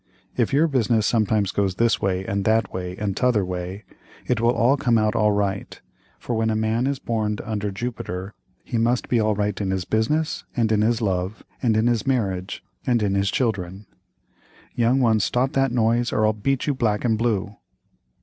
If your business sometimes goes this way, and that way, and t'other way, it will all come out right, for when a man is borned under Jupiter he must be all right in his business, and in his love, and in his marriage, and in his children. Young ones stop that noise or I'll beat you black and blue.